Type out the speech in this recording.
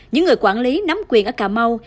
những người quản lý nắm quyền ở cà mau